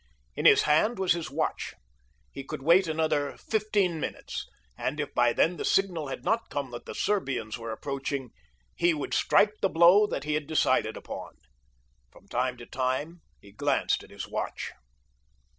In his hand was his watch. He would wait another fifteen minutes, and if by then the signal had not come that the Serbians were approaching, he would strike the blow that he had decided upon. From time to time he glanced at his watch.